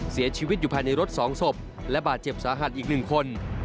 เสียชีวิตอยู่ภายในรถ๒ศพและบาดเจ็บสาหัสอีก๑คน